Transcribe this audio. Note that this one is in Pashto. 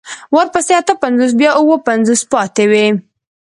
ورپسې اته پنځوس بيا اوه پنځوس پاتې وي.